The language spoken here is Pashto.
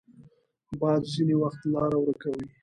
باد ځینې وخت لاره ورکوي